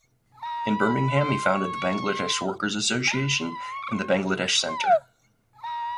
In Birmingham he founded the Bangladesh Workers’ Association and the Bangladesh Centre.